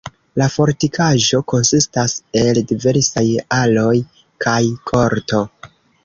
La fortikaĵo konsistas el diversaj aloj kaj korto.